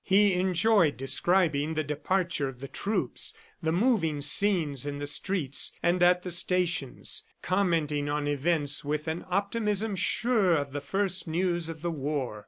He enjoyed describing the departure of the troops, the moving scenes in the streets and at the stations, commenting on events with an optimism sure of the first news of the war.